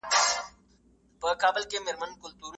دوستي ژوند ته رنګ ورکوي.